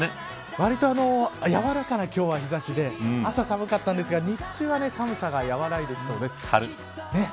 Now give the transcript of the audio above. わりとやわらかな今日は日差しで朝寒かったんですが日中は寒さが和らいできそうです。